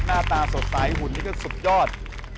หน้าตาสดใสหุ่นนี่ก็สุดยอด